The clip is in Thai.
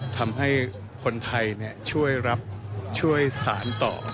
ทำให้คนไทยช่วยรับช่วยสารต่อ